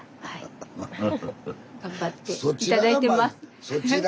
頑張って頂いてます。